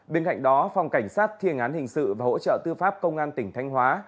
bên cạnh đó phòng cảnh sát thiên án hình sự và hỗ trợ tư pháp công an tỉnh thanh hóa